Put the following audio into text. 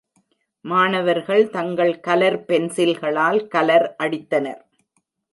மாணவர்கள் தங்கள் கலர் பென்சில்களால் கலர் அடித்தனர்.